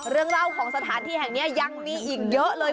เรื่องเล่าของสถานที่แห่งนี้ยังมีอีกเยอะเลย